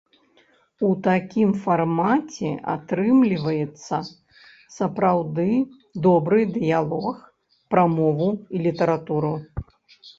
У такім фармаце атрымліваецца сапраўды добры дыялог пра мову і літаратуру.